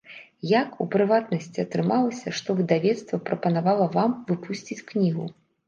Як, у прыватнасці, атрымалася, што выдавецтва прапанавала вам выпусціць кнігу?